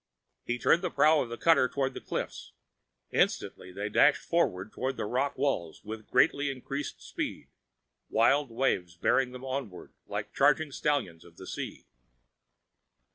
He turned the prow of the cutter toward the cliffs. Instantly they dashed forward toward the rock walls with greatly increased speed, wild waves bearing them onward like charging stallions of the sea.